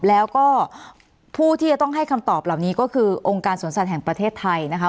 แล้วก็ผู้ที่จะต้องให้คำตอบเหล่านี้ก็คือองค์การสวนสัตว์แห่งประเทศไทยนะคะ